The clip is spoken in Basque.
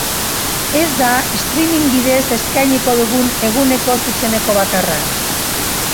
Ez da streaming bidez eskainiko dugun eguneko zuzeneko bakarra.